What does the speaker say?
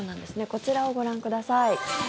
こちらをご覧ください。